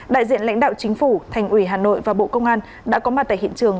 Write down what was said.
đại diện lãnh đạo chính phủ thành ủy hà nội và bộ công an đã có mặt tại hiện trường